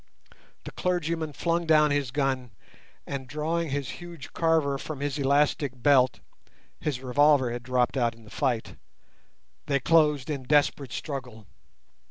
The clergyman flung down his gun, and drawing his huge carver from his elastic belt (his revolver had dropped out in the fight), they closed in desperate struggle.